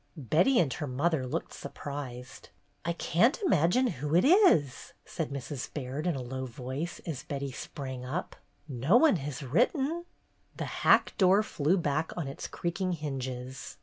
Betty and her mother looked surprised. "I can't imagine who it is," said Mrs. Baird, in a low voice, as Betty sprang up. "No one has written." The hack door flew back on its creaking hinges.